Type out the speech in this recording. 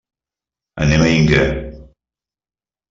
Anem a Inca.